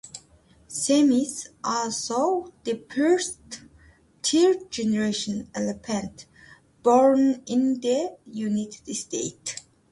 Sam is also the first third-generation elephant born in the United States.